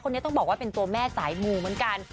ต้องบอกว่าเป็นตัวแม่สายหมู่เหมือนกัน